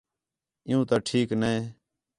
عِیّوں تا ٹھیک نے